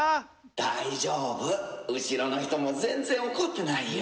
「大丈夫後ろの人も全然怒ってないよ」。